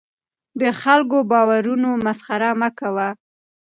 د خلکو د باورونو مسخره مه کوه.